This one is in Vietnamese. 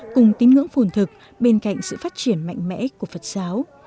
cùng tín ngưỡng phồn thực bên cạnh sự phát triển mạnh mẽ của phật giáo